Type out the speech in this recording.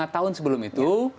lima tahun sebelum itu